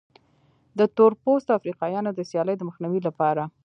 د تور پوستو افریقایانو د سیالۍ د مخنیوي لپاره.